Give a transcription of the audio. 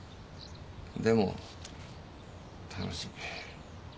でも楽しい。